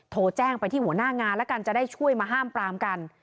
โทรแจ้งไปที่หัวหน้างานแล้วกันจะได้ช่วยมาห้ามปรามกัน